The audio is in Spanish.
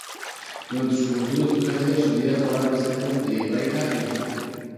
Durante su juventud, Hendler solía jugar al básquetbol en Hebraica y al fútbol.